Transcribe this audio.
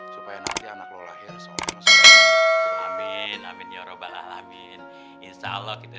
supaya nanti anak lo lahir soal masalah amin amin ya robbalah alhamdulillah insyaallah kita